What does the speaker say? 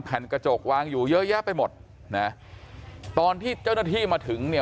กระจกวางอยู่เยอะแยะไปหมดนะตอนที่เจ้าหน้าที่มาถึงเนี่ย